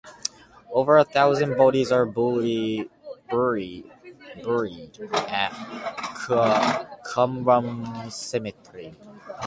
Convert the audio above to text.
Over a thousand bodies are buried at Qumran cemetery.